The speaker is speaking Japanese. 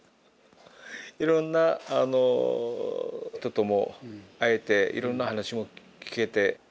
いろんな人とも会えていろんな話も聞けて。